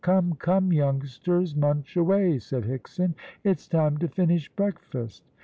"Come, come, youngsters, munch away," said Hickson; "it's time to finish breakfast."